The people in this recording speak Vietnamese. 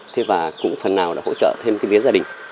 thế và cũng phần nào đã hỗ trợ thêm cái vía gia đình